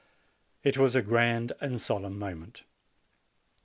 It was a grand and solemn moment.